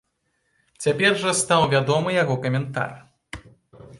Цяпер жа стаў вядомы яго каментар.